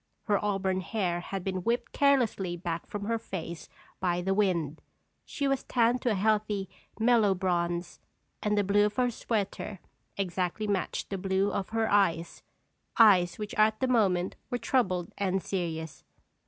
Her auburn hair had been whipped carelessly back from her face by the wind. She was tanned to a healthy, mellow bronze, and the blue of her sweater exactly matched the blue of her eyes—eyes which at the moment were troubled and serious.